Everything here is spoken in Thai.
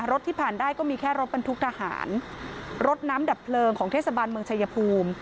ที่ผ่านได้ก็มีแค่รถบรรทุกทหารรถน้ำดับเพลิงของเทศบาลเมืองชายภูมิ